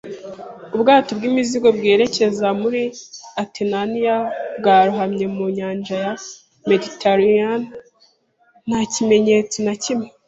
Ubwato bw'imizigo bwerekezaga muri Atenayi, bwarohamye mu nyanja ya Mediterane nta kimenyetso na kimwe.